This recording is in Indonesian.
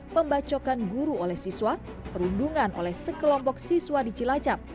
pembacokan guru oleh siswa perundungan oleh sekelompok siswa di cilacap